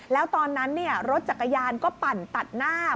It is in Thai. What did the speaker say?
แล้วตอนนั้นรถจักรยานก็ปั่นตัดหน้า